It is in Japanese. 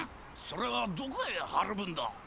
それはどこへはるぶんだ？